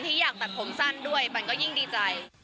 ที่อยากตัดผมสั้นด้วยมันก็ยิ่งดีใจ